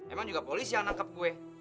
emang juga polisi yang menangkap gue